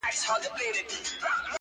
لوټوي چي لوپټه د خورکۍ ورو ورو-